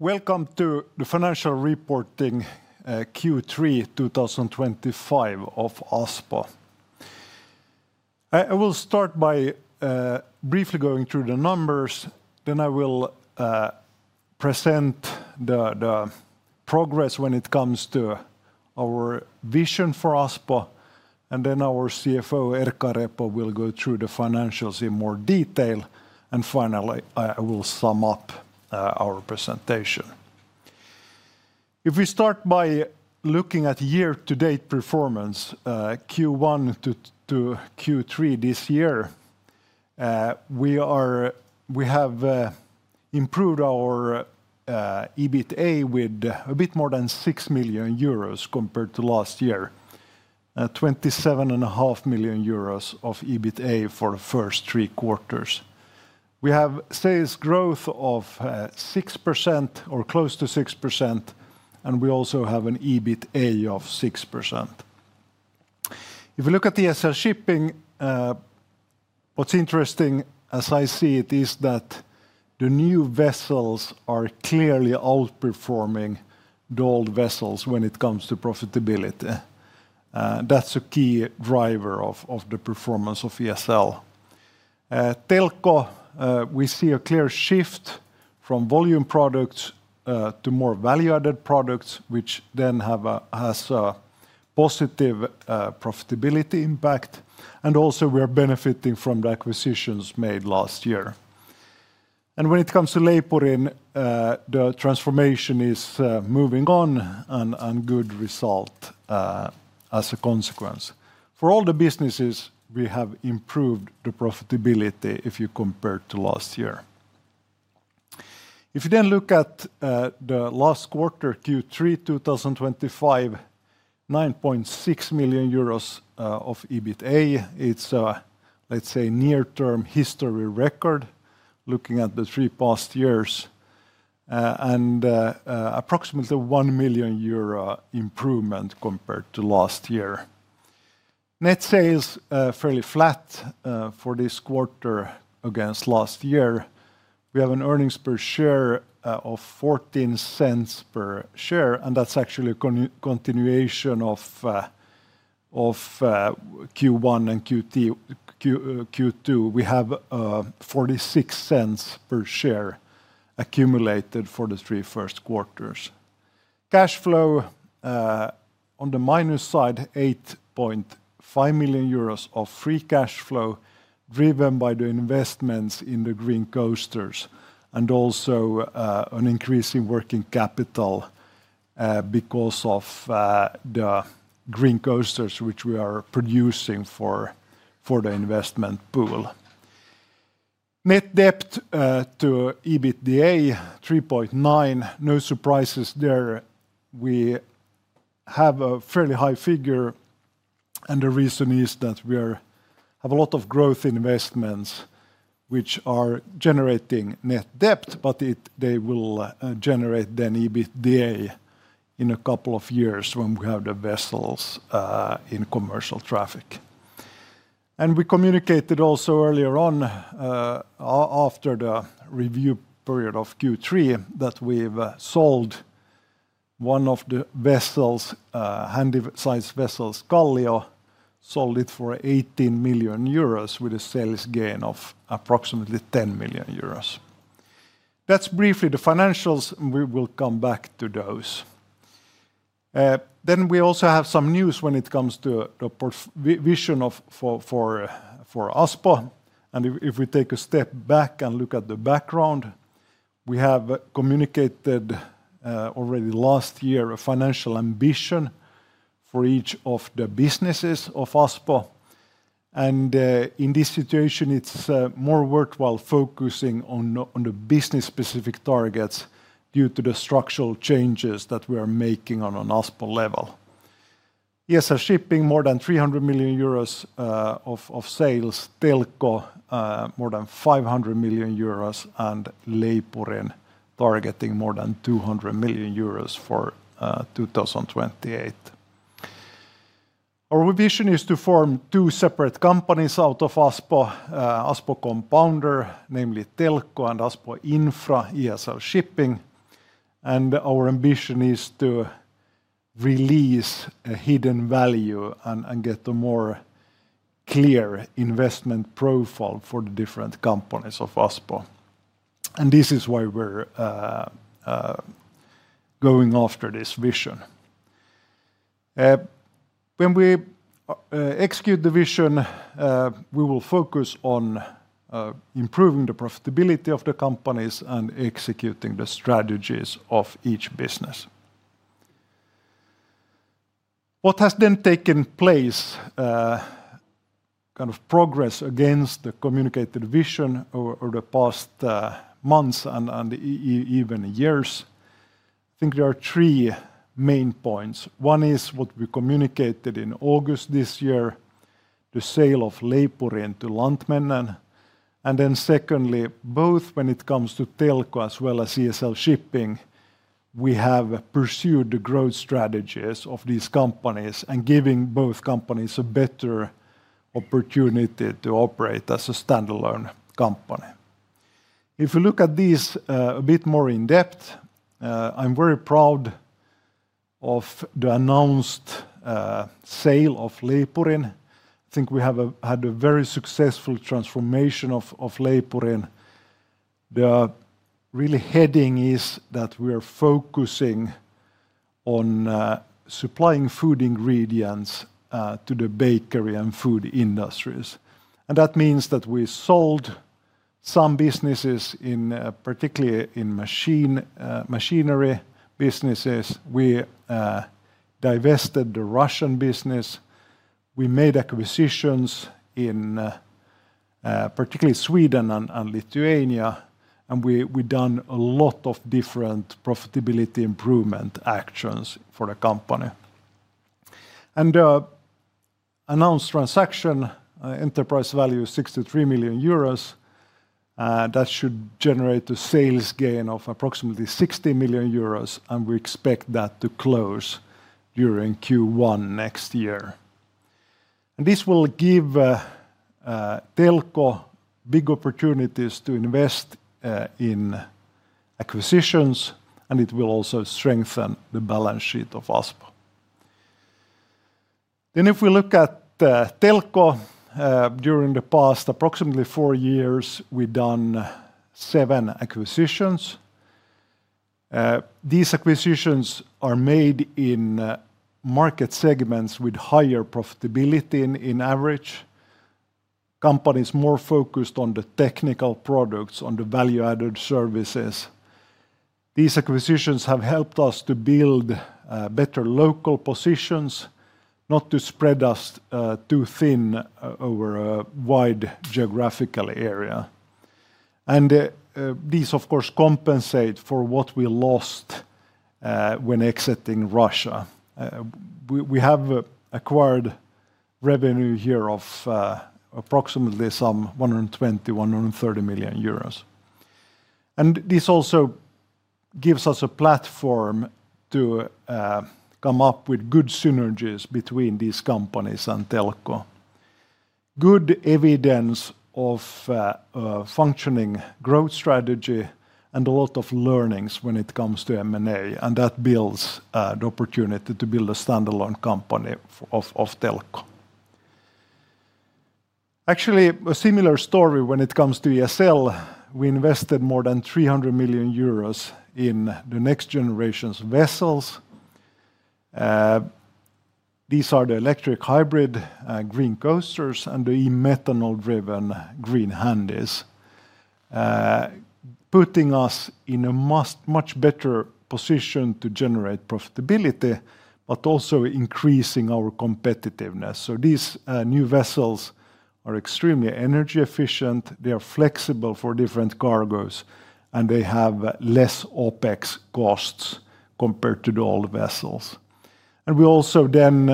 Welcome to the Financial Reporting Q3 2025 of Aspo. I will start by briefly going through the numbers, then I will present the progress when it comes to our vision for Aspo, and then our CFO, Erkka Repo, will go through the financials in more detail. Finally, I will sum up our presentation. If we start by looking at year-to-date performance, Q1 to Q3 this year, we have improved our EBITA with a bit more than 6 million euros compared to last year. 27.5 million euros of EBITA for the first three quarters. We have sales growth of 6% or close to 6%, and we also have an EBITA of 6%. If we look at ESL Shipping, what's interesting, as I see it, is that the new vessels are clearly outperforming the old vessels when it comes to profitability. That's a key driver of the performance of ESL. Telko, we see a clear shift from volume products to more value-added products, which then has a positive profitability impact. Also, we are benefiting from the acquisitions made last year. When it comes to Leipurin, the transformation is moving on and a good result as a consequence. For all the businesses, we have improved the profitability if you compare it to last year. If you then look at the last quarter, Q3 2025, 9.6 million euros of EBITA, it's a, let's say, near-term history record looking at the three past years. Approximately 1 million euro improvement compared to last year. Net sales are fairly flat for this quarter against last year. We have an earnings per share of 14 cents per share, and that's actually a continuation of Q1 and Q2. We have 46 cents per share accumulated for the three first quarters. Cash flow on the minus side, 8.5 million euros of free cash flow driven by the investments in the Green Coasters and also an increase in working capital because of the Green Coasters which we are producing for the investment pool. Net Debt-to-EBITDA: 3.9. No surprises there. We have a fairly high figure, and the reason is that we have a lot of growth investments which are generating net debt, but they will generate then EBITDA in a couple of years when we have the vessels in commercial traffic. We communicated also earlier on after the review period of Q3 that we've sold one of the Handy-size vessels, Kallio, sold it for 18 million euros with a sales gain of approximately 10 million euros. That's briefly the financials, and we will come back to those. We also have some news when it comes to the vision for Aspo. If we take a step back and look at the background, we have communicated already last year a financial ambition for each of the businesses of Aspo. In this situation, it's more worthwhile focusing on the business-specific targets due to the structural changes that we are making on an Aspo level. ESL Shipping, more than 300 million euros. Of sales, Telko, more than 500 million euros, and Leipurin targeting more than 200 million euros for 2028. Our vision is to form two separate companies out of Aspo, Aspo Compounder, namely Telko and Aspo Infra ESL Shipping. Our ambition is to release a hidden value and get a more clear investment profile for the different companies of Aspo. This is why we're going after this vision. When we execute the vision, we will focus on improving the profitability of the companies and executing the strategies of each business. What has then taken place, kind of progress against the communicated vision over the past months and even years? I think there are three main points. One is what we communicated in August this year, the sale of Leipurin to Lantmännen. Secondly, both when it comes to Telko as well as ESL Shipping, we have pursued the growth strategies of these companies and given both companies a better opportunity to operate as a standalone company. If we look at these a bit more in depth, I'm very proud of the announced sale of Leipurin. I think we have had a very successful transformation of Leipurin. The really heading is that we are focusing on supplying food ingredients to the bakery and food industries. That means that we sold some businesses, particularly in machinery businesses. We divested the Russian business. We made acquisitions in particularly Sweden and Lithuania, and we've done a lot of different profitability improvement actions for the company. Announced transaction, enterprise value 63 million euros. That should generate a sales gain of approximately 60 million euros, and we expect that to close during Q1 next year. This will give Telko big opportunities to invest in acquisitions, and it will also strengthen the balance sheet of Aspo. If we look at Telko, during the past approximately four years, we've done seven acquisitions. These acquisitions are made in market segments with higher profitability in average. Companies more focused on the technical products, on the value-added services. These acquisitions have helped us to build better local positions, not to spread us too thin over a wide geographical area. These, of course, compensate for what we lost when exiting Russia. We have acquired revenue here of approximately some 120-130 million euros. This also gives us a platform to come up with good synergies between these companies and Telko. Good evidence of a functioning growth strategy and a lot of learnings when it comes to M&A, and that builds the opportunity to build a standalone company of Telko. Actually, a similar story when it comes to ESL. We invested more than 300 million euros in the next generation vessels. These are the electric hybrid Green Coasters and the e-methanol-driven Green Handies, putting us in a much better position to generate profitability, but also increasing our competitiveness. These new vessels are extremely energy efficient. They are flexible for different cargoes, and they have less OpEx costs compared to the old vessels. We also then,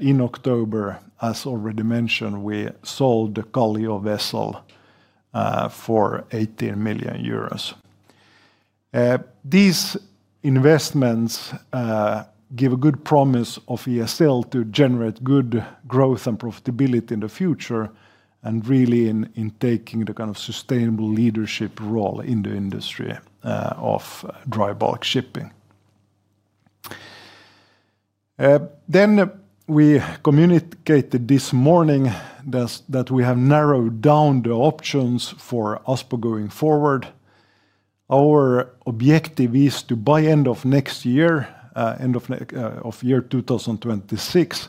in October, as already mentioned, sold the Kallio vessel for EUR 18 million. These investments give a good promise of ESL to generate good growth and profitability in the future and really in taking the kind of sustainable leadership role in the industry of dry bulk shipping. We communicated this morning that we have narrowed down the options for Aspo going forward. Our objective is to, by end of next year, end of year 2026,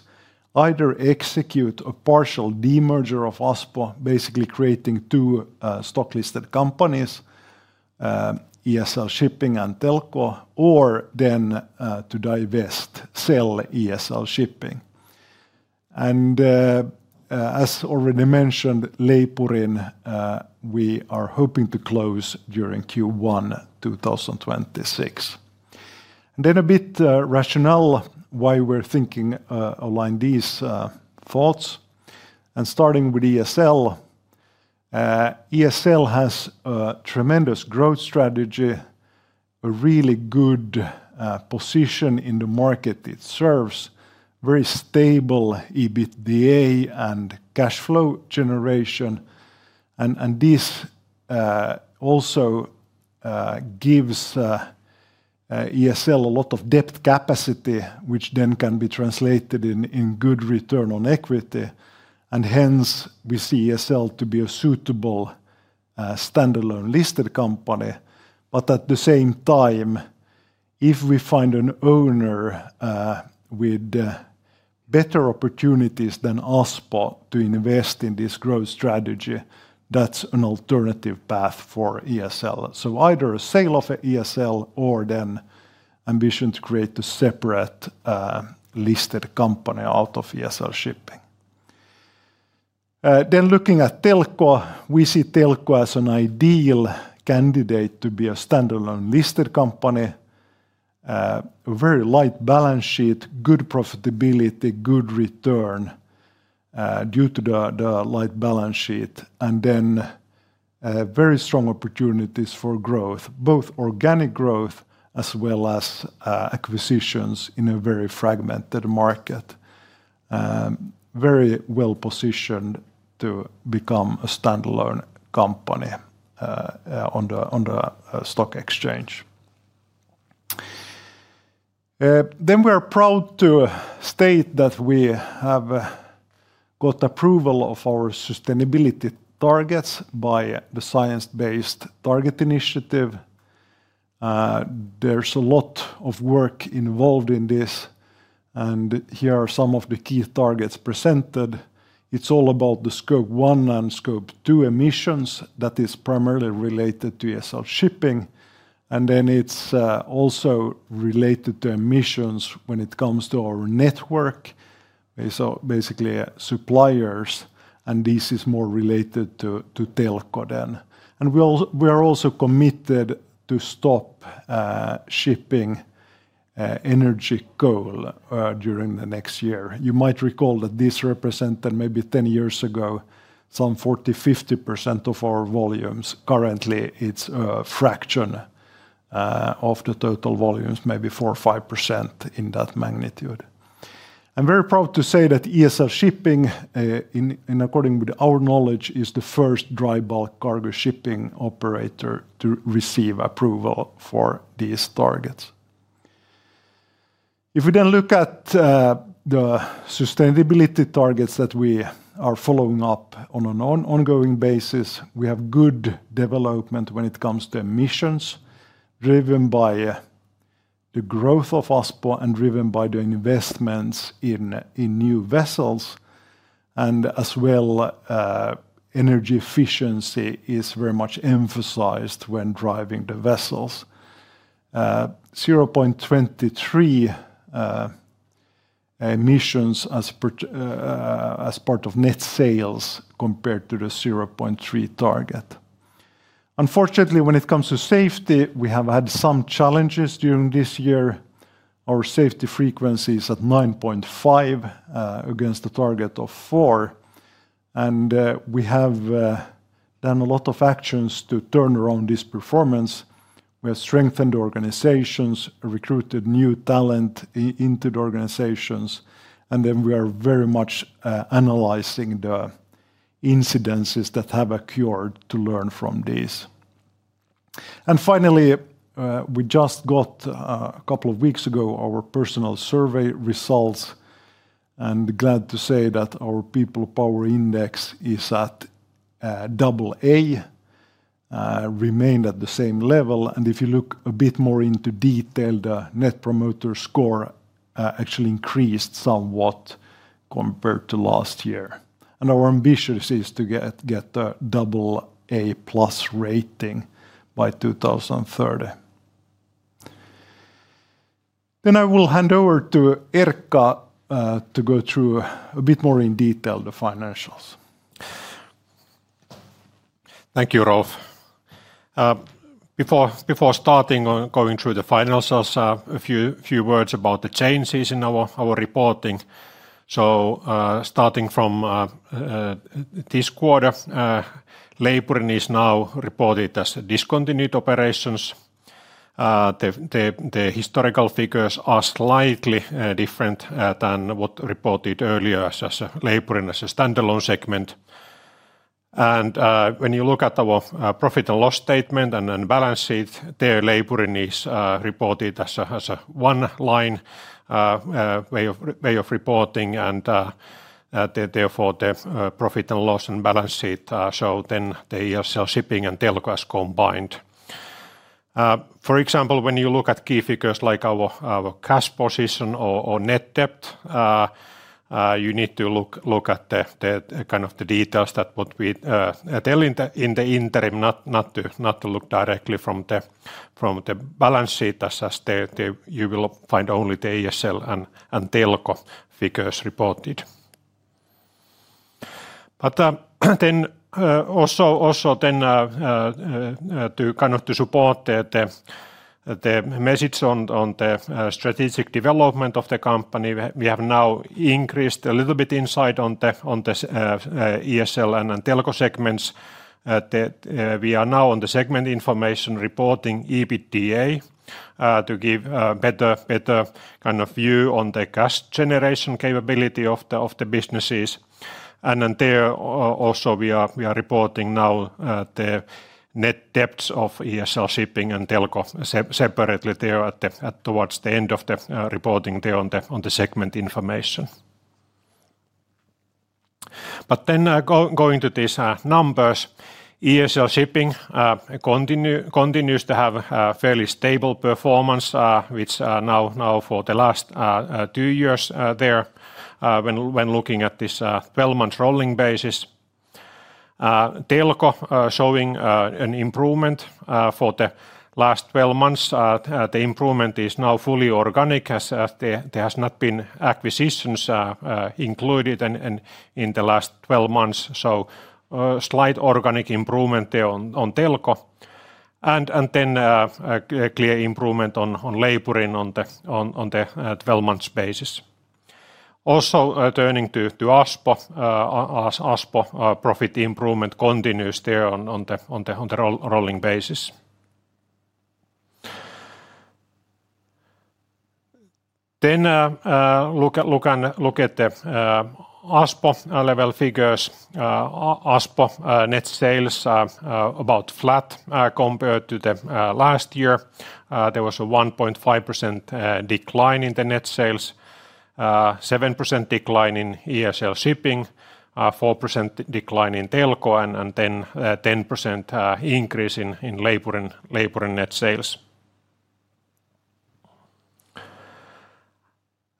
either execute a partial demerger of Aspo, basically creating two stock-listed companies, ESL Shipping and Telko, or to divest, sell ESL Shipping. As already mentioned, Leipurin we are hoping to close during Q1 2026. A bit rational why we're thinking along these thoughts. Starting with ESL, ESL has a tremendous growth strategy, a really good position in the market it serves, very stable EBITDA and cash flow generation. This also gives ESL a lot of debt capacity, which then can be translated in good return on equity. Hence, we see ESL to be a suitable standalone listed company. At the same time, if we find an owner with better opportunities than Aspo to invest in this growth strategy, that's an alternative path for ESL. Either a sale of ESL or ambition to create a separate listed company out of ESL Shipping. Looking at Telko, we see Telko as an ideal candidate to be a standalone listed company. A very light balance sheet, good profitability, good return due to the light balance sheet, and then very strong opportunities for growth, both organic growth as well as acquisitions in a very fragmented market. Very well positioned to become a standalone company on the stock exchange. We are proud to state that we have got approval of our sustainability targets by the Science Based Targets initiative. There's a lot of work involved in this, and here are some of the key targets presented. It's all about the Scope 1 and Scope 2 emissions that is primarily related to ESL Shipping. It's also related to emissions when it comes to our network, basically suppliers, and this is more related to Telko then. We are also committed to stop shipping energy coal during the next year. You might recall that this represented maybe 10 years ago some 40-50% of our volumes. Currently, it's a fraction of the total volumes, maybe 4-5% in that magnitude. I'm very proud to say that ESL Shipping, according to our knowledge, is the first dry bulk cargo shipping operator to receive approval for these targets. If we then look at the sustainability targets that we are following up on an ongoing basis, we have good development when it comes to emissions, driven by the growth of Aspo and driven by the investments in new vessels, and as well. Energy efficiency is very much emphasized when driving the vessels. 0.23. Emissions as part of net sales compared to the 0.3 target. Unfortunately, when it comes to safety, we have had some challenges during this year. Our safety frequency is at 9.5 against a target of 4. We have done a lot of actions to turn around this performance. We have strengthened organizations, recruited new talent into the organizations, and we are very much analyzing the incidences that have occurred to learn from these. Finally, we just got a couple of weeks ago our personal survey results. Glad to say that our People Power index is at double A. Remained at the same level. If you look a bit more into detail, the Net Promoter Score actually increased somewhat compared to last year. Our ambition is to get a double A plus rating by 2030. I will hand over to Erkka to go through a bit more in detail the financials. Thank you, Rolf. Before starting on going through the financials, a few words about the changes in our reporting. Starting from this quarter, Leipurin is now reported as discontinued operations. The historical figures are slightly different than what reported earlier as Leipurin as a standalone segment. When you look at our profit and loss statement and balance sheet, Leipurin is reported as a one-line way of reporting, and therefore the profit and loss and balance sheet show then the ESL Shipping and Telko as combined. For example, when you look at key figures like our cash position or net debt, you need to look at the kind of the details that what we tell in the interim, not to look directly from the balance sheet as you will find only the ESL and Telko figures reported. Also, to support the message on the strategic development of the company, we have now increased a little bit insight on the ESL and Telko segments. We are now on the segment information reporting EBITDA to give a better kind of view on the cash generation capability of the businesses. There also we are reporting now the net debts of ESL Shipping and Telko separately there towards the end of the reporting there on the segment information. Going to these numbers, ESL Shipping continues to have a fairly stable performance, which now for the last two years there when looking at this 12-month rolling basis. Telko showing an improvement for the last 12 months. The improvement is now fully organic as there has not been acquisitions included in the last 12 months. Slight organic improvement there on Telko. Clear improvement on Leipurin on the 12-month basis. Also turning to Aspo, profit improvement continues there on the rolling basis. Look at the Aspo level figures. Aspo net sales are about flat compared to the last year. There was a 1.5% decline in the net sales. 7% decline in ESL Shipping, 4% decline in Telko, and then 10% increase in Leipurin net sales.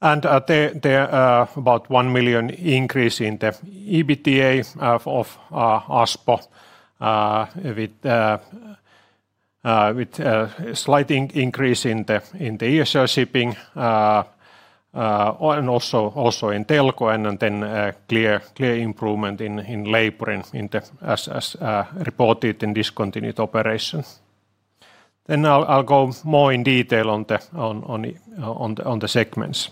About 1 million increase in the EBITDA of Aspo. With slight increase in the ESL Shipping and also in Telko, and then clear improvement in Leipurin as reported in discontinued operation. I'll go more in detail on the segments.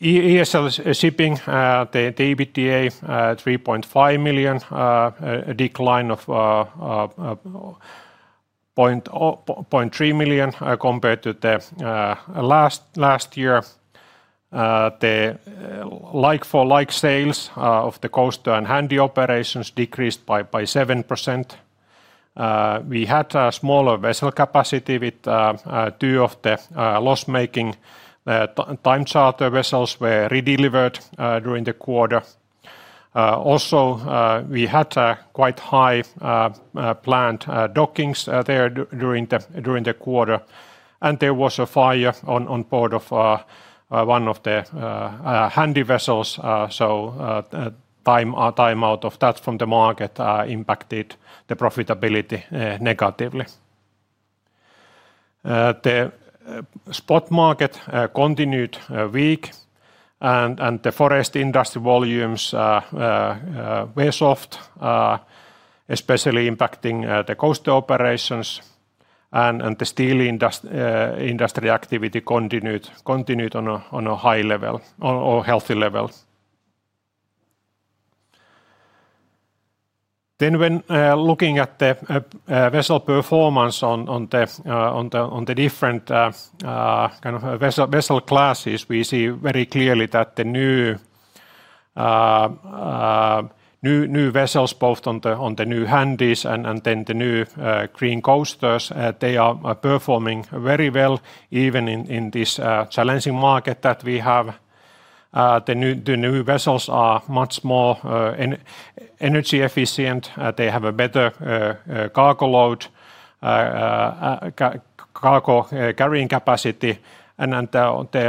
ESL Shipping, the EBITDA, 3.5 million. Decline of 0.3 million compared to the last year. The like-for-like sales of the coaster and handy operations decreased by 7%. We had a smaller vessel capacity with two of the loss-making time charter vessels were redelivered during the quarter. Also we had quite high planned dockings there during the quarter. There was a fire on board of one of the handy vessels. Timeout of that from the market impacted the profitability negatively. The spot market continued weak, and the forest industry volumes were soft. Especially impacting the coaster operations. The steel industry activity continued on a high level, or healthy level. When looking at the vessel performance on the different kind of vessel classes, we see very clearly that the new vessels, both on the new handies and then the new Green Coasters, they are performing very well even in this challenging market that we have. The new vessels are much more energy efficient, they have a better cargo load, cargo carrying capacity, and the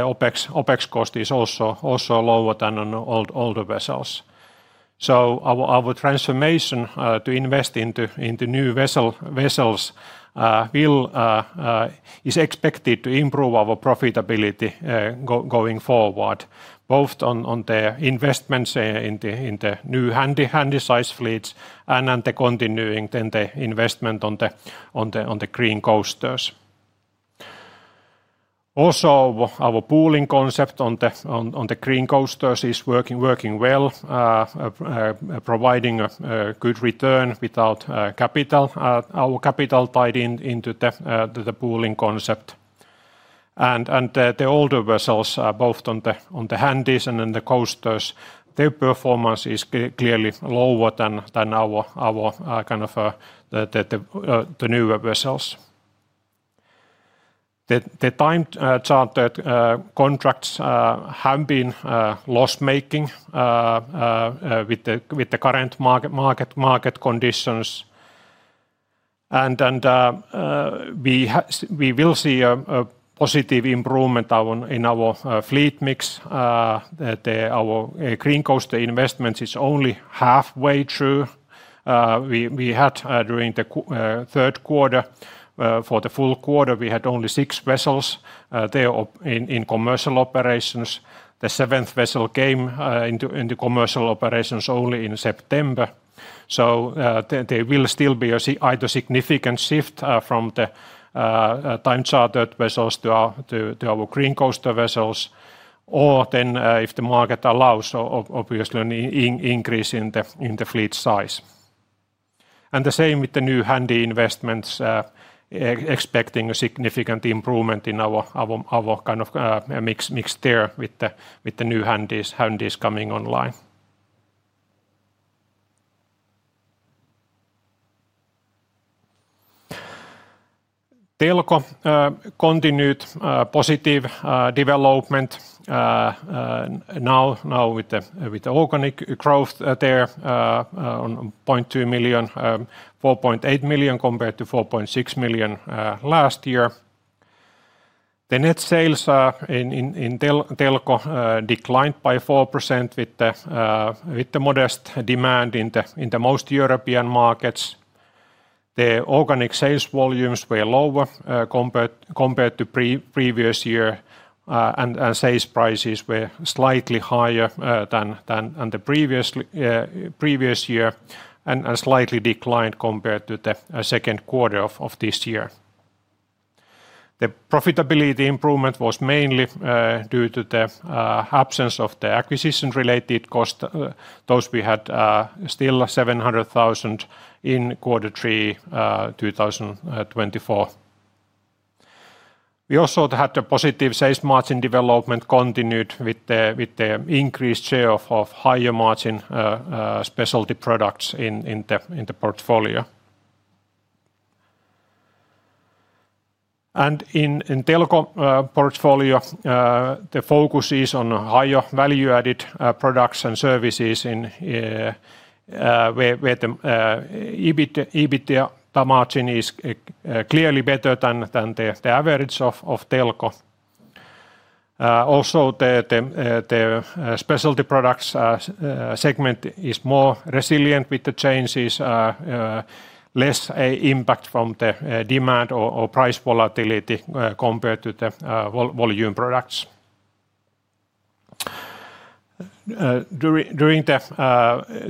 OpEx cost is also lower than on older vessels. Our transformation to invest into new vessels is expected to improve our profitability going forward, both on the investments in the new handy size fleets and the continuing investment on the Green Coasters. Also our pooling concept on the Green Coasters is working well, providing a good return without our capital tied into the pooling concept. The older vessels, both on the handies and on the coasters, their performance is clearly lower than the newer vessels. The time charter contracts have been loss-making with the current market conditions. We will see a positive improvement in our fleet mix. Our Green Coaster investment is only halfway through. During the third quarter, for the full quarter, we had only six vessels there in commercial operations. The seventh vessel came into commercial operations only in September. There will still be a significant shift from the time chartered vessels to our Green Coaster vessels. If the market allows, obviously an increase in the fleet size. The same with the new handy investments, expecting a significant improvement in our mix there with the new handies coming online. Telko continued positive development. Now with the organic growth there. 4.8 million compared to 4.6 million last year. The net sales in Telko declined by 4% with the modest demand in the most European markets. The organic sales volumes were lower compared to previous year, and sales prices were slightly higher than the previous year, and slightly declined compared to the second quarter of this year. The profitability improvement was mainly due to the absence of the acquisition-related cost. Those we had still 700,000 in quarter three 2024. We also had a positive sales margin development continued with the increased share of higher margin specialty products in the portfolio. And in Telko portfolio, the focus is on higher value-added products and services where the EBITDA margin is clearly better than the average of Telko. Also, the specialty products segment is more resilient with the changes, less impact from the demand or price volatility compared to the volume products. During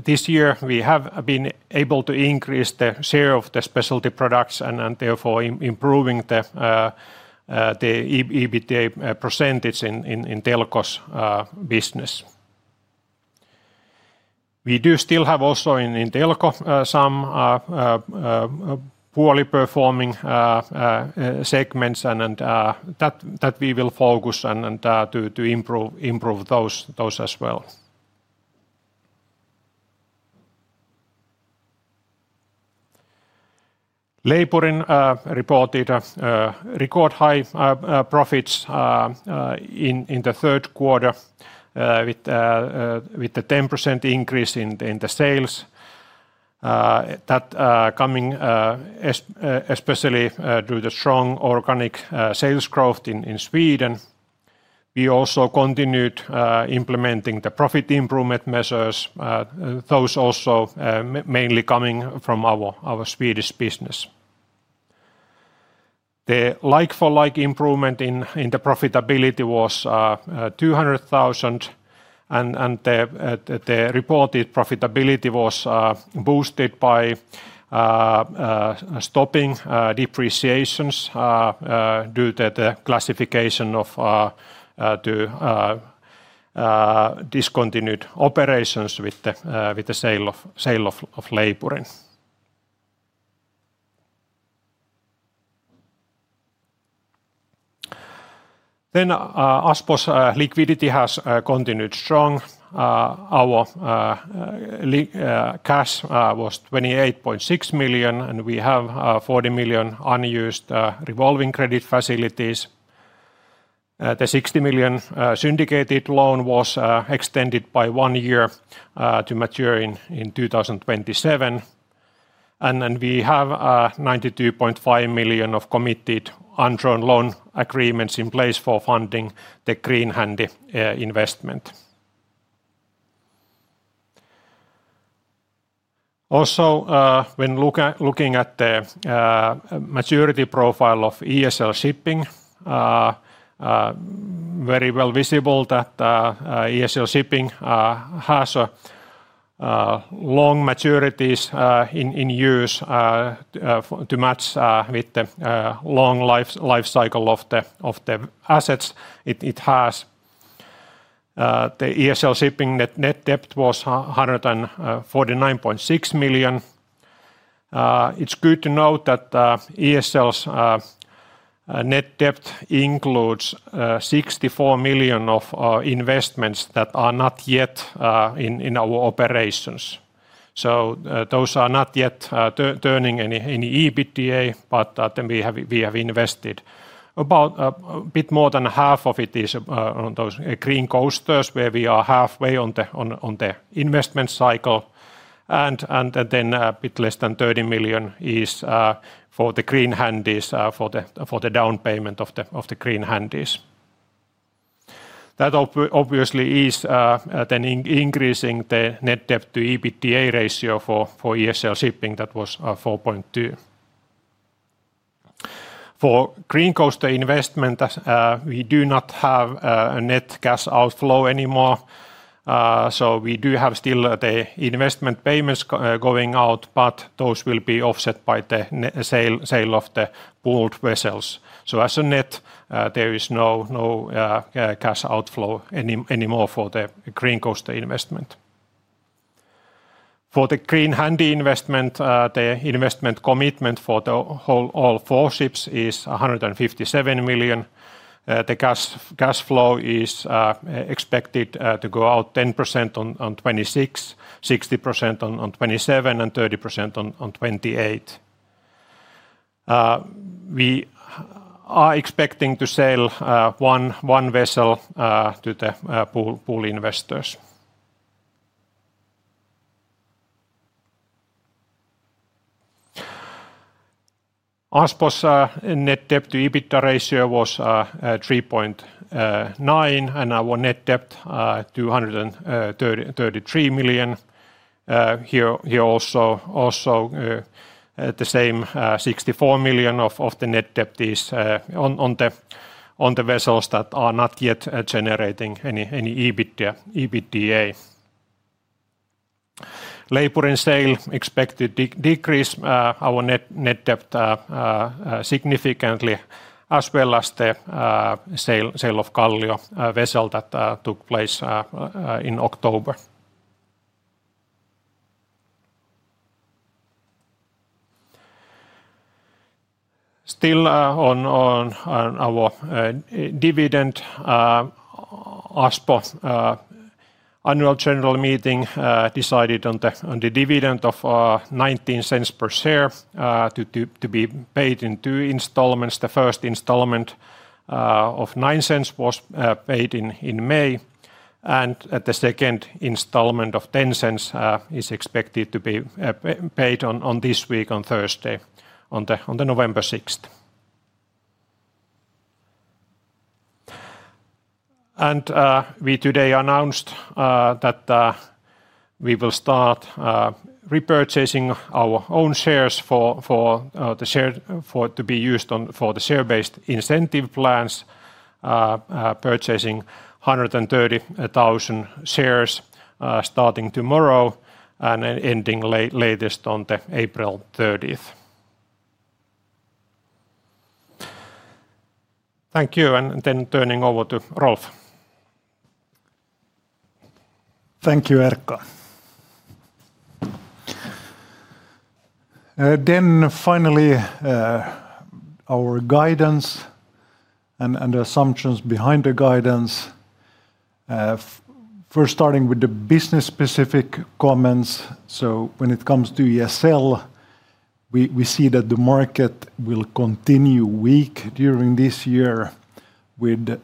this year, we have been able to increase the share of the specialty products and therefore improving the EBITDA percentage in Telko's business. We do still have also in Telko some poorly performing segments, and that we will focus on to improve those as well. Leipurin reported record high profits in the third quarter with a 10% increase in the sales. That coming especially due to strong organic sales growth in Sweden. We also continued implementing the profit improvement measures, those also mainly coming from our Swedish business. The like-for-like improvement in the profitability was 200,000, and the reported profitability was boosted by stopping depreciations due to the classification of discontinued operations with the sale of Leipurin. Aspo's liquidity has continued strong. Our cash was 28.6 million, and we have 40 million unused revolving credit facilities. The 60 million syndicated loan was extended by one year to mature in 2027. We have 92.5 million of committed unjourned loan agreements in place for funding the Green Handy investment. Also, when looking at the maturity profile of ESL Shipping, very well visible that ESL Shipping has long maturities in use to match with the long life cycle of the assets it has. The ESL Shipping net debt was 149.6 million. It's good to note that ESL's net debt includes 64 million of investments that are not yet in our operations. Those are not yet turning any EBITDA, but we have invested about a bit more than half of it is on those Green Coasters where we are halfway on the investment cycle. A bit less than 30 million is for the Green Handies, for the down payment of the Green Handies. That obviously is then increasing the net Debt-to-EBITDA ratio for ESL Shipping that was 4.2. For Green Coaster investment, we do not have a net cash outflow anymore. We do have still the investment payments going out, but those will be offset by the sale of the pooled vessels. As a net, there is no cash outflow anymore for the Green Coaster investment. For the Green Handy investment, the investment commitment for the whole four ships is 157 million. The cash flow is expected to go out 10% on 26, 60% on 27, and 30% on 28. We are expecting to sell one vessel to the pool investors. Aspo's net debt to EBITA ratio was 3.9, and our net debt 233 million. Here also, the same 64 million of the net debt is on the vessels that are not yet generating any EBITDA. Leipurin sale expected to decrease our net debt significantly, as well as the sale of Kallio vessel that took place in October. Still on our dividend, Aspo Annual General Meeting decided on the dividend of 0.19 per share to be paid in two installments. The first installment of 0.09 was paid in May, and the second installment of 0.10 is expected to be paid this week, on Thursday, on November 6th. We today announced that we will start repurchasing our own shares for the share to be used for the share-based incentive plans, purchasing 130,000 shares starting tomorrow and ending latest on April 30th. Thank you, and then turning over to Rolf. Thank you, Erkka. Then finally, our guidance and the assumptions behind the guidance. First, starting with the business-specific comments. When it comes to ESL, we see that the market will continue weak during this year with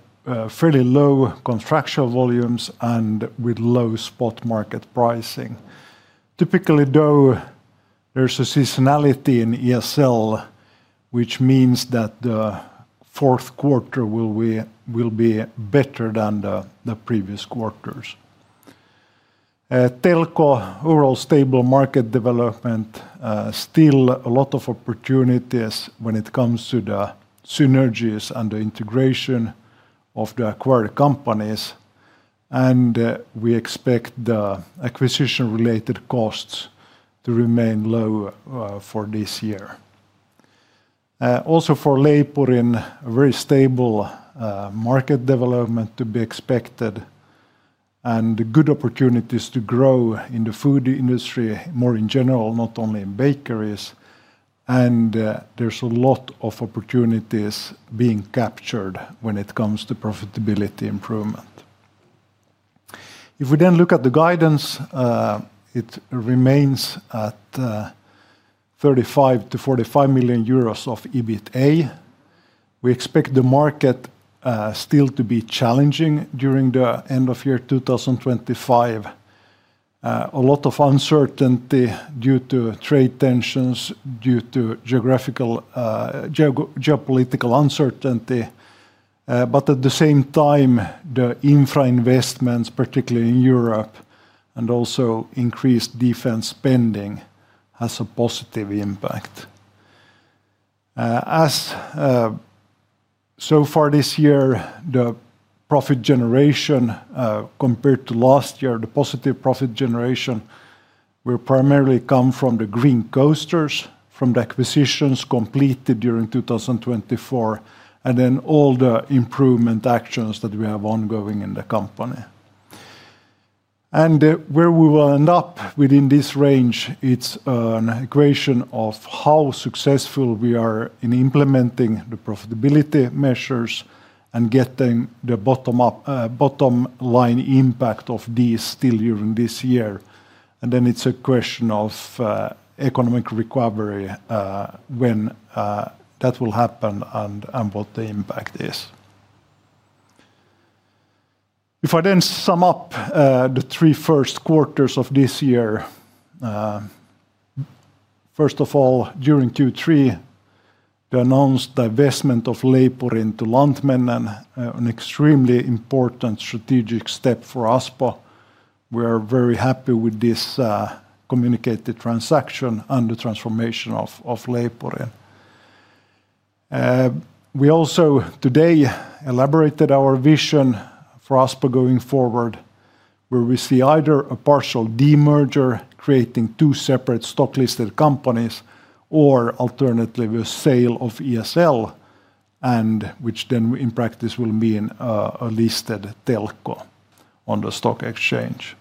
fairly low contractual volumes and with low spot market pricing. Typically, though, there's a seasonality in ESL, which means that the fourth quarter will be better than the previous quarters. Telko overall stable market development. Still a lot of opportunities when it comes to the synergies and the integration of the acquired companies, and we expect the acquisition-related costs to remain low for this year. Also, for Leipurin, a very stable market development to be expected, and good opportunities to grow in the food industry more in general, not only in bakeries. There's a lot of opportunities being captured when it comes to profitability improvement. If we then look at the guidance, it remains at 35-45 million euros of EBITA. We expect the market still to be challenging during the end of year 2025. A lot of uncertainty due to trade tensions, due to geopolitical uncertainty. At the same time, the infra investments, particularly in Europe, and also increased defense spending has a positive impact. As so far this year, the profit generation compared to last year, the positive profit generation will primarily come from the Green Coasters, from the acquisitions completed during 2024, and then all the improvement actions that we have ongoing in the company. Where we will end up within this range, it's an equation of how successful we are in implementing the profitability measures and getting the bottom line impact of these still during this year. It's a question of economic recovery, when that will happen and what the impact is. If I then sum up the three first quarters of this year. First of all, during Q3. The announced divestment of Leipurin to Lantmännen, an extremely important strategic step for Aspo. We are very happy with this communicated transaction and the transformation of Leipurin. We also today elaborated our vision for Aspo going forward. Where we see either a partial demerger creating two separate stock-listed companies or alternatively a sale of ESL. Which then in practice will mean a listed Telko on the stock exchange.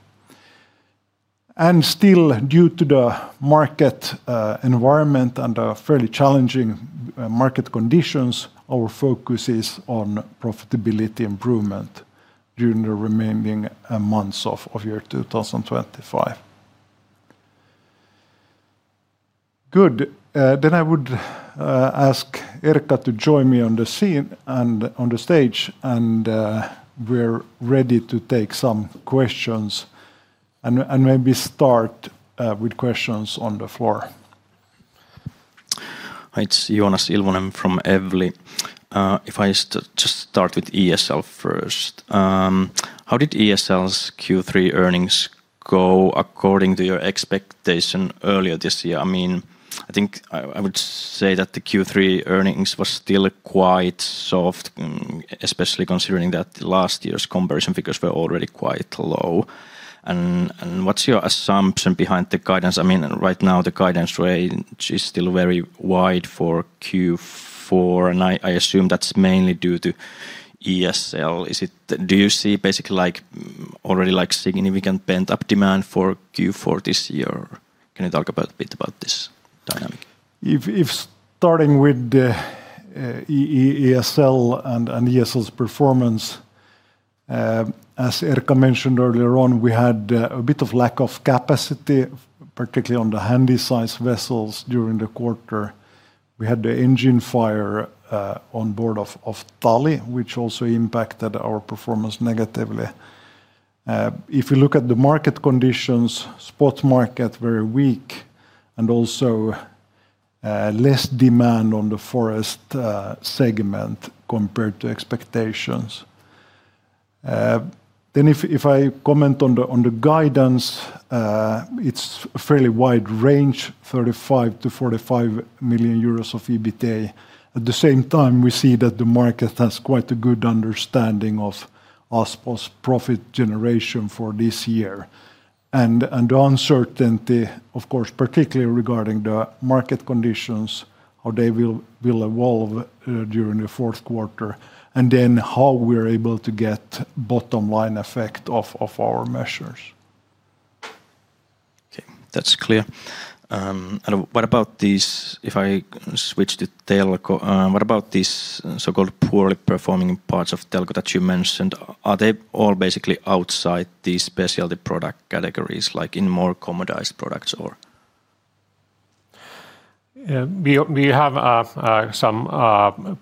Still, due to the market environment and the fairly challenging market conditions, our focus is on profitability improvement during the remaining months of year 2025. Good. I would ask Erkka to join me on the scene and on the stage, and we are ready to take some questions. Maybe start with questions on the floor. Hi, it is Joonas Ilvonen from Evli. If I just start with ESL first. How did ESL's Q3 earnings go according to your expectation earlier this year? I mean, I think I would say that the Q3 earnings were still quite soft, especially considering that last year's comparison figures were already quite low. What is your assumption behind the guidance? I mean, right now the guidance range is still very wide for Q4, and I assume that is mainly due to ESL. Do you see basically already significant pent-up demand for Q4 this year? Can you talk a bit about this dynamic? If starting with ESL and ESL's performance. As Erkka mentioned earlier on, we had a bit of lack of capacity, particularly on the handy-sized vessels during the quarter. We had the engine fire on board of Tali, which also impacted our performance negatively. If we look at the market conditions, spot market very weak and also less demand on the forest segment compared to expectations. If I comment on the guidance, it is a fairly wide range, 35 million-45 million euros of EBITA. At the same time, we see that the market has quite a good understanding of Aspo's profit generation for this year. The uncertainty, of course, particularly regarding the market conditions, how they will evolve during the fourth quarter, and then how we are able to get bottom line effect of our measures. Okay, that is clear. What about these, if I switch to Telko, what about these so-called poorly performing parts of Telko that you mentioned? Are they all basically outside these specialty product categories, like in more commodized products? We have some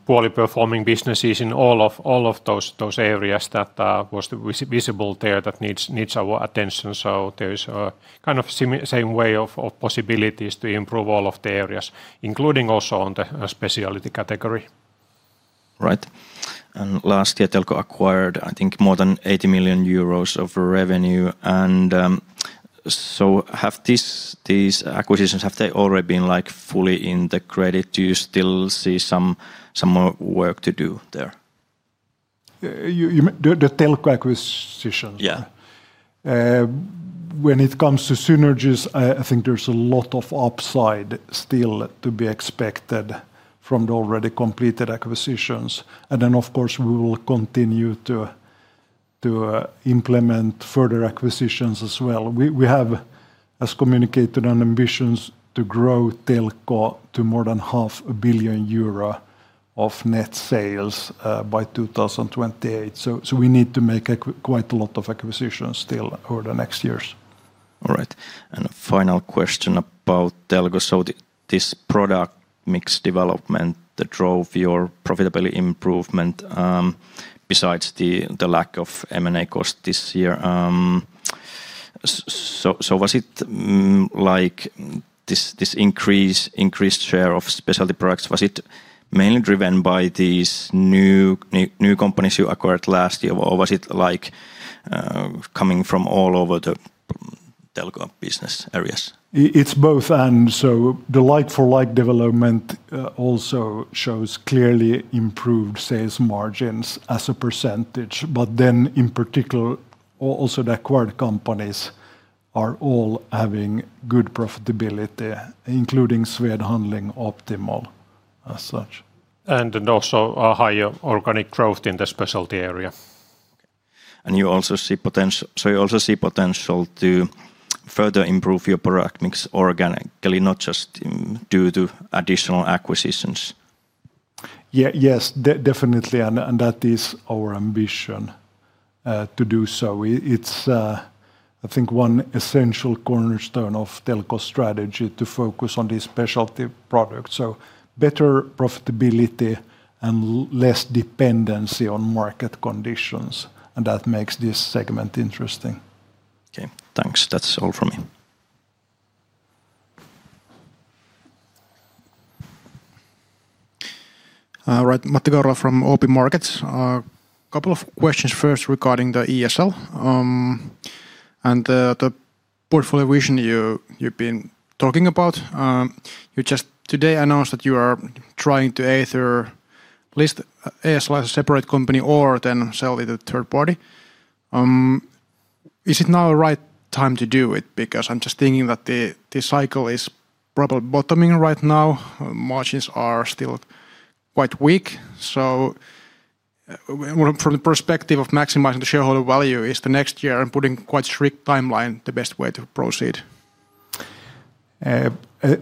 poorly performing businesses in all of those areas that was visible there that needs our attention. There is a kind of same way of possibilities to improve all of the areas, including also on the specialty category. Right. Last year, Telko acquired, I think, more than 80 million euros of revenue. Have these acquisitions, have they already been fully integrated? Do you still see some more work to do there? The Telko acquisition? Yeah. When it comes to synergies, I think there's a lot of upside still to be expected from the already completed acquisitions. Then, of course, we will continue to implement further acquisitions as well. We have, as communicated, an ambition to grow Telko to more than 500 million euro of net sales by 2028. We need to make quite a lot of acquisitions still over the next years. All right. A final question about Telko. This product mix development that drove your profitability improvement, besides the lack of M&A cost this year, was it like this increased share of specialty products, was it mainly driven by these new companies you acquired last year, or was it coming from all over the Telko business areas? It's both. The like-for-like development also shows clearly improved sales margins as a percentage. In particular, also the acquired companies are all having good profitability, including Swed Handling, Optimol as such. And also a higher organic growth in the specialty area. You also see potential, so you also see potential to further improve your product mix organically, not just due to additional acquisitions? Yes, definitely. That is our ambition to do so. It's, I think, one essential cornerstone of Telko's strategy to focus on these specialty products. Better profitability and less dependency on market conditions, and that makes this segment interesting. Okay, thanks. That's all from me. All right, Matti Kaurola from OP Markets. A couple of questions first regarding the ESL. The portfolio vision you've been talking about, you just today announced that you are trying to either list ESL as a separate company or then sell it to a third party. Is it now the right time to do it? I'm just thinking that the cycle is probably bottoming right now. Margins are still quite weak. From the perspective of maximizing the shareholder value, is the next year and putting quite a strict timeline the best way to proceed?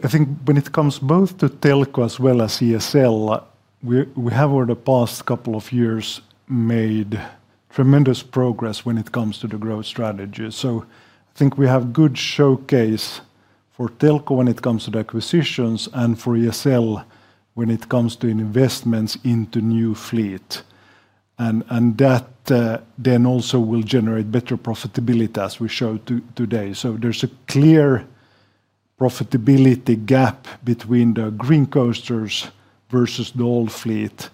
I think when it comes both to Telko as well as ESL, we have over the past couple of years made tremendous progress when it comes to the growth strategy. I think we have a good showcase for Telko when it comes to the acquisitions and for ESL when it comes to investments into new fleet. That then also will generate better profitability as we showed today. There's a clear profitability gap between the Green Coasters versus the old fleet.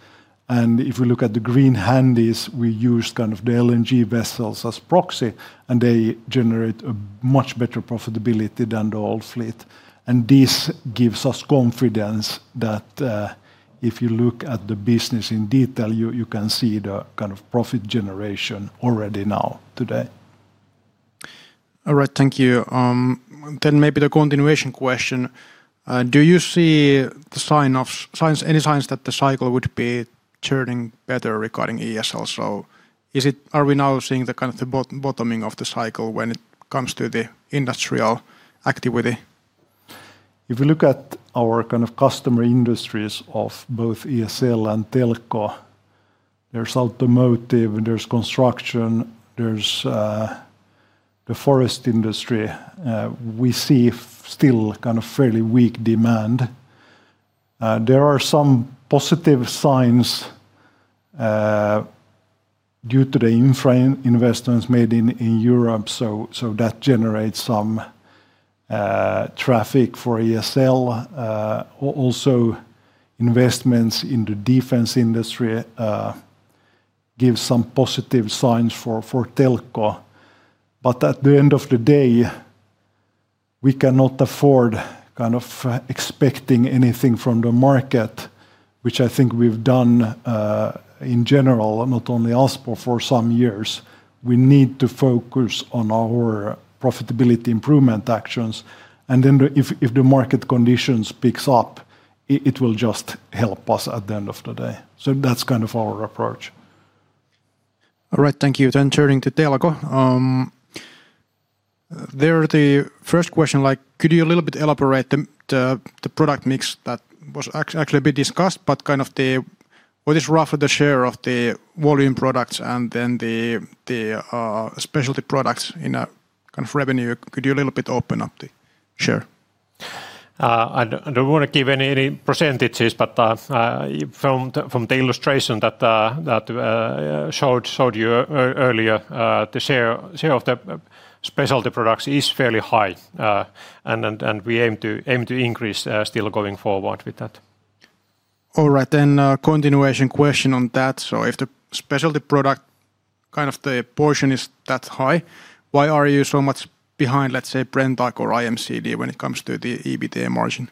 If we look at the Green Handies, we used kind of the LNG vessels as proxy, and they generate a much better profitability than the old fleet. This gives us confidence that if you look at the business in detail, you can see the kind of profit generation already now today. All right, thank you. Maybe the continuation question. Do you see any signs that the cycle would be turning better regarding ESL? Are we now seeing the kind of bottoming of the cycle when it comes to the industrial activity? If we look at our kind of customer industries of both ESL and Telko, there's automotive, there's construction, there's the forest industry. We see still kind of fairly weak demand. There are some positive signs due to the infra investments made in Europe. That generates some traffic for ESL. Also, investments in the defense industry give some positive signs for Telko. At the end of the day, we cannot afford kind of expecting anything from the market, which I think we've done in general, not only Aspo, for some years. We need to focus on our profitability improvement actions, and if the market conditions pick up, it will just help us at the end of the day. That's kind of our approach. All right, thank you. Turning to Telko, there's the first question, like could you a little bit elaborate the product mix that was actually a bit discussed, but kind of what is roughly the share of the volume products and then the specialty products in a kind of revenue? Could you a little bit open up the share? I don't want to give any percentages, but from the illustration that I showed you earlier, the share of the specialty products is fairly high, and we aim to increase still going forward with that. All right, then continuation question on that. If the specialty product kind of the portion is that high, why are you so much behind, let's say, Brenntag or IMCD when it comes to the EBITA margin?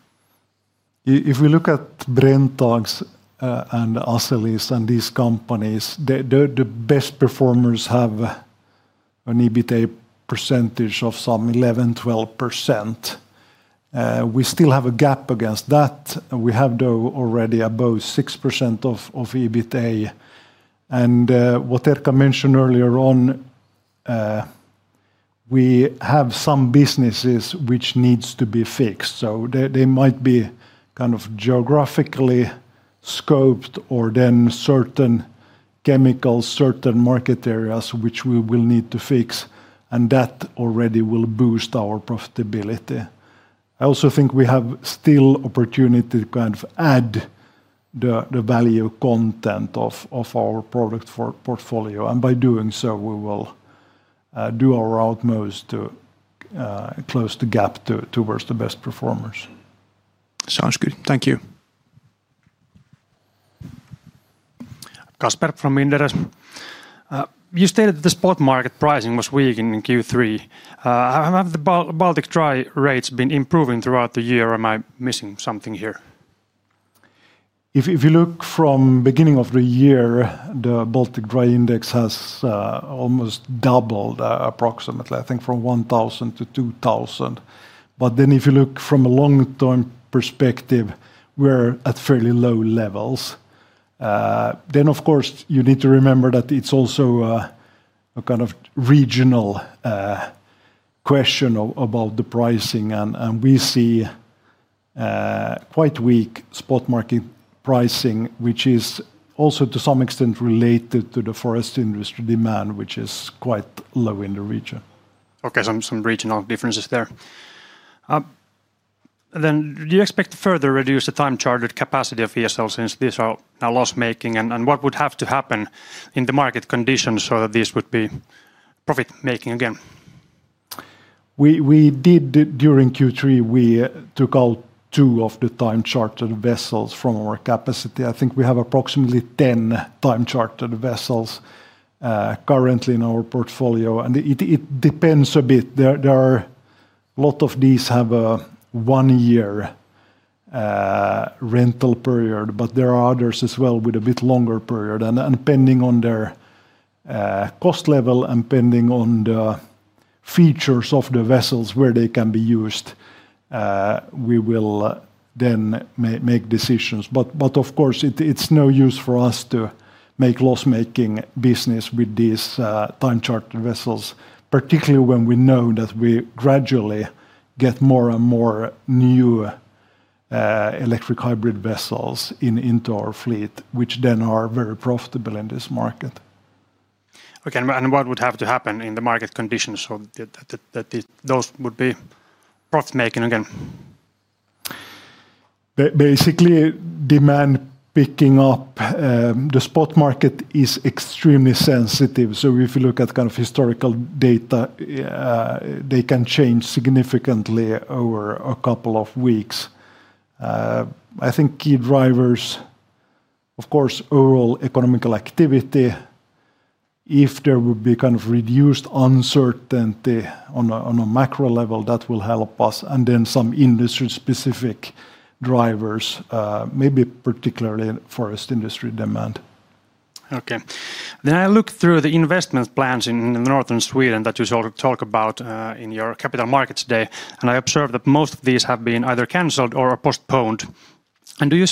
If we look at Brenntag's and Azelis' and these companies, the best performers have an EBITA percentage of some 11-12%. We still have a gap against that. We have though already above 6% of EBITA, and what Erkka mentioned earlier on, we have some businesses which need to be fixed. They might be kind of geographically scoped or then certain chemicals, certain market areas which we will need to fix, and that already will boost our profitability. I also think we have still opportunity to kind of add the value content of our product portfolio, and by doing so, we will do our utmost to close the gap towards the best performers. Sounds good. Thank you. Kasper from Inderes. You stated that the spot market pricing was weak in Q3. Have the Baltic Dry rates been improving throughout the year? Am I missing something here? If you look from the beginning of the year, the Baltic Dry Index has almost doubled approximately, I think from 1,000 to 2,000. If you look from a long-term perspective, we're at fairly low levels. Of course, you need to remember that it's also a kind of regional question about the pricing, and we see. Quite weak spot market pricing, which is also to some extent related to the forest industry demand, which is quite low in the region. Okay, some regional differences there. Do you expect to further reduce the time-chartered capacity of ESL since these are now loss-making? What would have to happen in the market conditions so that these would be profit-making again? We did during Q3, we took out two of the time-chartered vessels from our capacity. I think we have approximately 10 time-chartered vessels currently in our portfolio. It depends a bit. A lot of these have a one-year rental period, but there are others as well with a bit longer period. Depending on their cost level and depending on the features of the vessels, where they can be used, we will then make decisions. Of course, it's no use for us to make loss-making business with these time-chartered vessels, particularly when we know that we gradually get more and more new electric hybrid vessels into our fleet, which then are very profitable in this market. Okay, and what would have to happen in the market conditions so that those would be profit-making again? Basically, demand picking up. The spot market is extremely sensitive. If you look at kind of historical data, they can change significantly over a couple of weeks. I think key drivers, of course, overall economical activity. If there would be kind of reduced uncertainty on a macro level, that will help us. Some industry-specific drivers, maybe particularly forest industry demand. Okay. I looked through the investment plans in Northern Sweden that you talked about in your capital markets day. I observed that most of these have been either canceled or postponed. Do you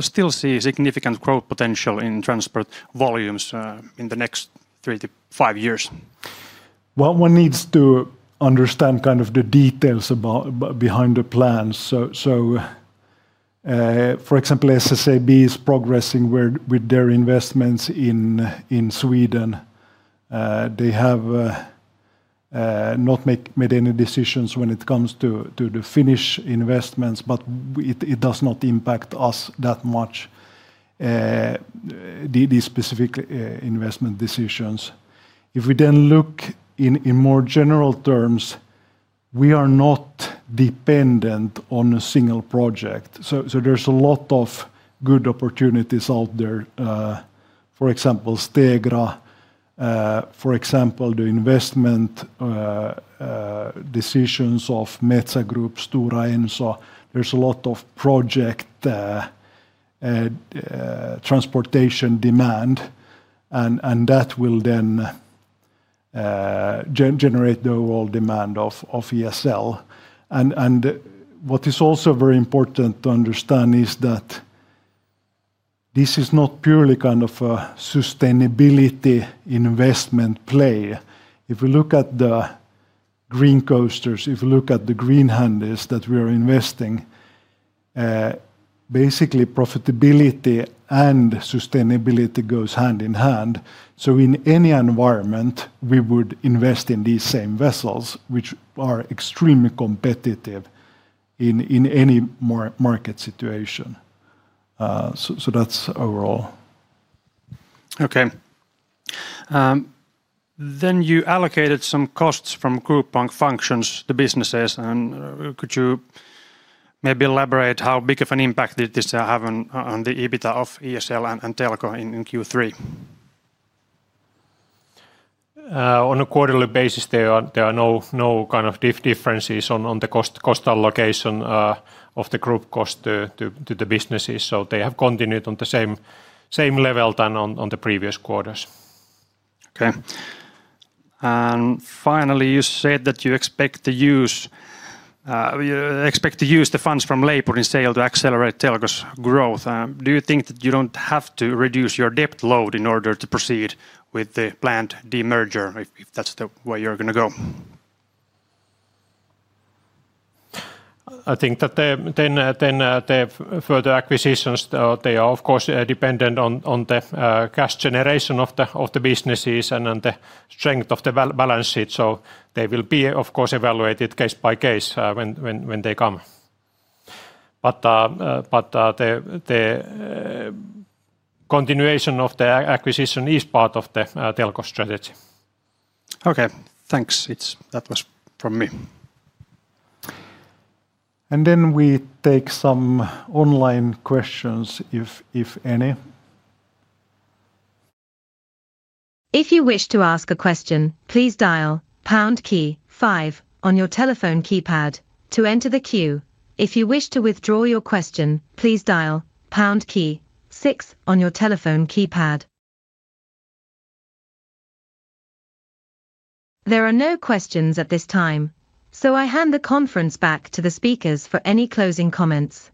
still see significant growth potential in transport volumes in the next three to five years? One needs to understand kind of the details behind the plans. For example, SSAB is progressing with their investments in Sweden. They have not made any decisions when it comes to the Finnish investments, but it does not impact us that much, these specific investment decisions. If we then look in more general terms, we are not dependent on a single project. There's a lot of good opportunities out there. For example, Stegra. For example, the investment decisions of Metsä Group, Stora Enso. There's a lot of project transportation demand. That will then generate the overall demand of ESL. What is also very important to understand is that this is not purely kind of a sustainability investment play. If we look at the Green Coasters, if we look at the Green Handies that we are investing, basically, profitability and sustainability go hand in hand. In any environment, we would invest in these same vessels, which are extremely competitive in any market situation. That's overall. Okay. You allocated some costs from group functions to businesses. Could you. Maybe elaborate how big of an impact this has on the EBITDA of ESL and Telko in Q3? On a quarterly basis, there are no kind of differences on the cost allocation of the group cost to the businesses. So they have continued on the same level than on the previous quarters. Okay. Finally, you said that you expect to use the funds from Leipurin sale to accelerate Telko's growth. Do you think that you do not have to reduce your debt load in order to proceed with the planned demerger, if that is the way you are going to go? I think that further acquisitions, they are of course dependent on the cash generation of the businesses and the strength of the balance sheet. So they will be, of course, evaluated case by case when they come. The continuation of the acquisition is part of the Telko strategy. Okay, thanks. That was from me. We take some online questions, if any. If you wish to ask a question, please dial pound key five on your telephone keypad to enter the queue. If you wish to withdraw your question, please dial pound key six on your telephone keypad. There are no questions at this time, so I hand the conference back to the speakers for any closing comments.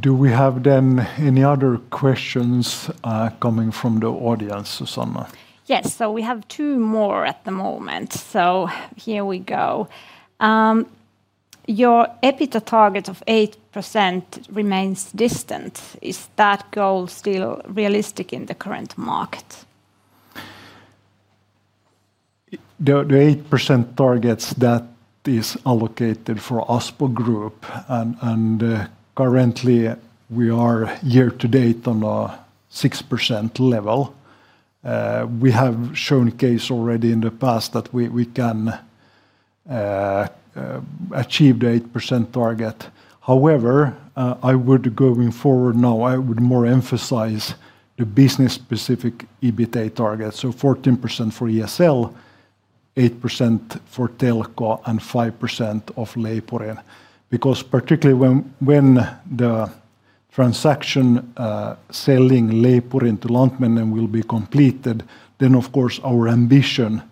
Do we have then any other questions coming from the audience, Susanna? Yes, so we have two more at the moment. Here we go. Your EBITA target of 8% remains distant. Is that goal still realistic in the current market? The 8% target that is allocated for Aspo Group. Currently we are year to date on a 6% level. We have shown a case already in the past that we can achieve the 8% target. However, going forward now, I would more emphasize the business-specific EBITA target. So 14% for ESL, 8% for Telko, and 5% for Leipurin. Because particularly when the transaction selling Leipurin to Lantmännen will be completed, then of course our ambition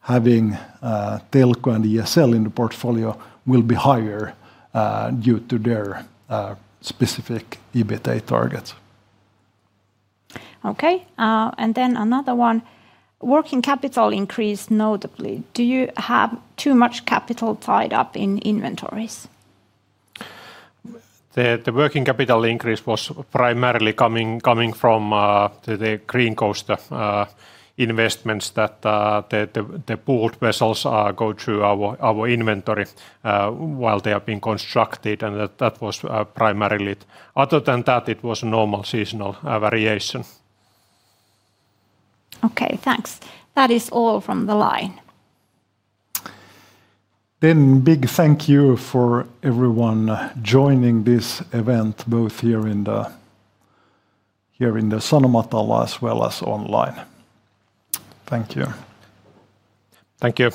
having Telko and ESL in the portfolio will be higher due to their specific EBITA targets. Okay. Another one. Working capital increased notably. Do you have too much capital tied up in inventories? The working capital increase was primarily coming from the Green Coaster investments that the pooled vessels go through our inventory while they have been constructed. That was primarily it. Other than that, it was a normal seasonal variation. Okay, thanks. That is all from the line. Big thank you for everyone joining this event, both here in the Sanomatalo as well as online. Thank you. Thank you.